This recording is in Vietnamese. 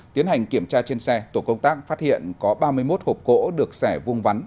tiến hành kiểm tra trên xe tổ công tác phát hiện có ba mươi một hộp cỗ được xẻ vuông vắn